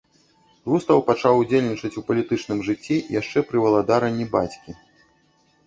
Густаў пачаў удзельнічаць у палітычным жыцці яшчэ пра валадаранні бацькі.